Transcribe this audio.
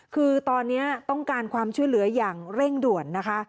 คือตอนนี้ต้องการความช่วยเหลืออย่างเร่งด่วนนะคะ